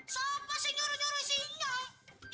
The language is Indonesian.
siapa sih nyuruh nyuruh si inyong